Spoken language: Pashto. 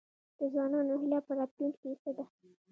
د ځوانانو هیله په راتلونکي څه ده؟